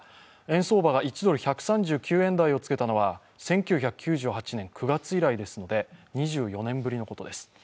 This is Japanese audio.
円相場が１ドル１３９円台をつけたのは１９９８年９月以来ですので、２４年ぶりのことです。